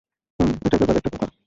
হুম ঐটার ব্যাপারে একটা কথা।